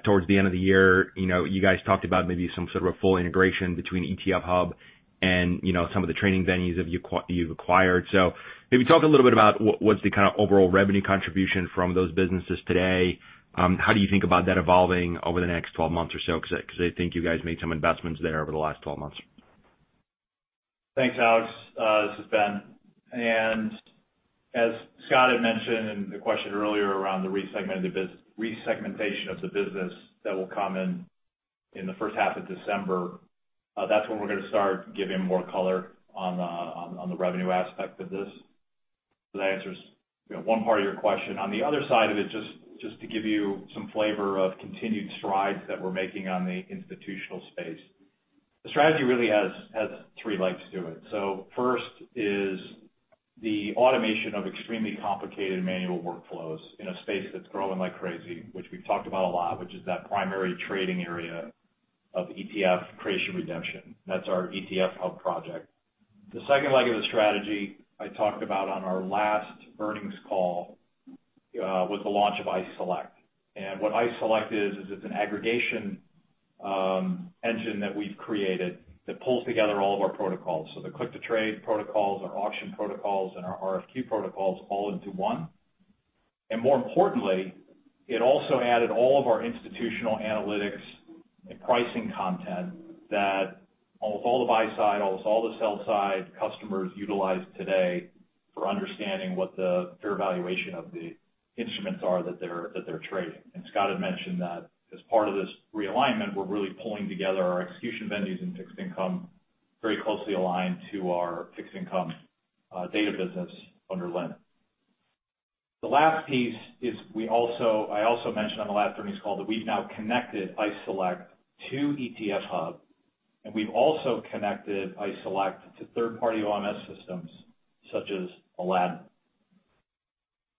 towards the end of the year, you guys talked about maybe some sort of a full integration between ICE ETF Hub and some of the training venues that you've acquired. Maybe talk a little bit about what's the kind of overall revenue contribution from those businesses today. How do you think about that evolving over the next 12 months or so? I think you guys made some investments there over the last 12 months. Thanks, Alex. This is Ben. As Scott had mentioned in the question earlier. The re-segmentation of the business that will come in the first half of December, that's when we're going to start giving more color on the revenue aspect of this. That answers one part of your question. On the other side of it, just to give you some flavor of continued strides that we're making on the institutional space. The strategy really has three legs to it. First is the automation of extremely complicated manual workflows in a space that's growing like crazy, which we've talked about a lot, which is that primary trading area of ETF creation redemption. That's our ICE ETF Hub project. The second leg of the strategy I talked about on our last earnings call, was the launch of ICE Select. What ICE Select is it's an aggregation engine that we've created that pulls together all of our protocols. The click-to-trade protocols, our auction protocols, and our RFQ protocols all into one. More importantly, it also added all of our institutional analytics and pricing content that almost all the buy-side, almost all the sell-side customers utilize today for understanding what the fair valuation of the instruments are that they're trading. Scott had mentioned that as part of this realignment, we're really pulling together our execution venues and fixed income very closely aligned to our fixed income data business under Lynn. The last piece is, I also mentioned on the last earnings call that we've now connected ICE Select to ETF Hub, and we've also connected ICE Select to third-party OMS systems such as Aladdin.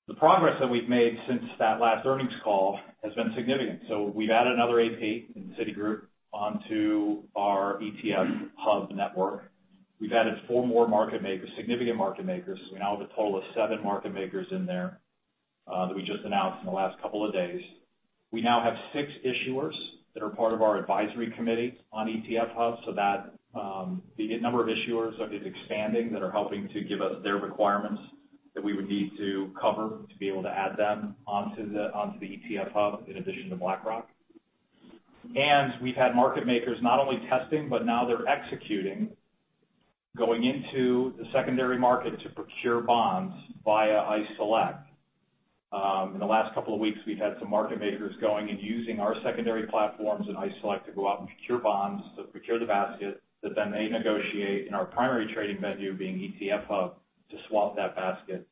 The progress that we've made since that last earnings call has been significant. We've added another AP in Citigroup onto our ICE ETF Hub network. We've added four more significant market makers. We now have a total of seven market makers in there, that we just announced in the last couple of days. We now have six issuers that are part of our advisory committee on ICE ETF Hub, so the number of issuers is expanding that are helping to give us their requirements that we would need to cover to be able to add them onto the ICE ETF Hub, in addition to BlackRock. We've had market makers not only testing, but now they're executing, going into the secondary market to procure bonds via ICE Select. In the last couple of weeks, we've had some market makers going and using our secondary platforms in ICE Select to go out and procure bonds, so procure the basket, that then they negotiate in our primary trading venue, being ICE ETF Hub, to swap that basket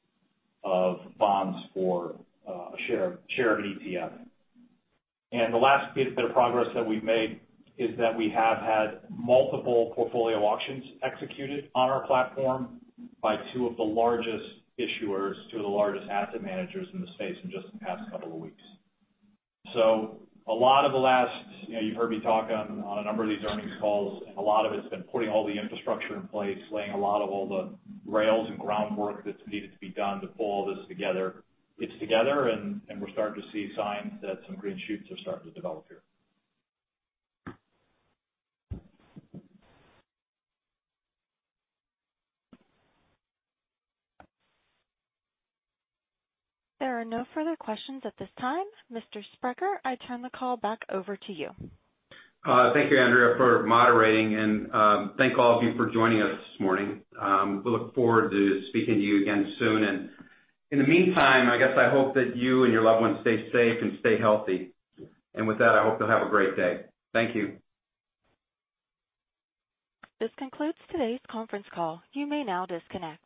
of bonds for a share of an ETF. The last bit of progress that we've made is that we have had multiple portfolio auctions executed on our platform by two of the largest issuers, two of the largest asset managers in the space in just the past couple of weeks. You've heard me talk on a number of these earnings calls, a lot of it's been putting all the infrastructure in place, laying a lot of all the rails and groundwork that's needed to be done to pull all this together. It's together, and we're starting to see signs that some green shoots are starting to develop here. There are no further questions at this time. Mr. Sprecher, I turn the call back over to you. Thank you, Andrea, for moderating, and thank all of you for joining us this morning. We look forward to speaking to you again soon. In the meantime, I guess I hope that you and your loved ones stay safe and stay healthy. With that, I hope you'll have a great day. Thank you. This concludes today's conference call. You may now disconnect.